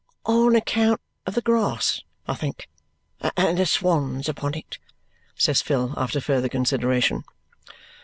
"On account of the grass, I think. And the swans upon it," says Phil after further consideration.